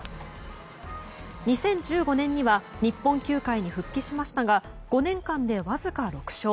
２０１５年には日本球界に復帰しましたが５年間でわずか６勝。